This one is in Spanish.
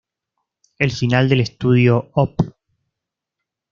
El final del Estudio Op.